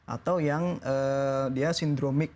atau yang dia sindromik